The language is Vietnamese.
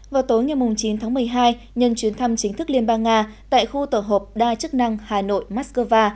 vào tối ngày chín tháng một mươi hai nhân chuyến thăm chính thức liên bang nga tại khu tổ hợp đa chức năng hà nội moscow